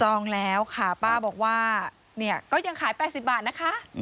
ต้องแล้วค่ะป้าบอกว่าเนี่ยก็ยังขาย๘๐บาทนะคะ